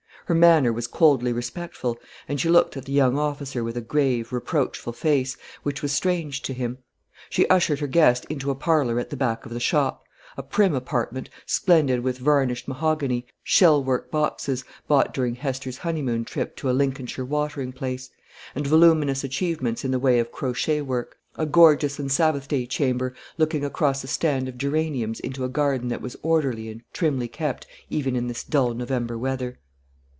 Her manner was coldly respectful, and she looked at the young officer with a grave, reproachful face, which was strange to him. She ushered her guest into a parlour at the back of the shop; a prim apartment, splendid with varnished mahogany, shell work boxes bought during Hester's honeymoon trip to a Lincolnshire watering place and voluminous achievements in the way of crochet work; a gorgeous and Sabbath day chamber, looking across a stand of geraniums into a garden that was orderly and trimly kept even in this dull November weather.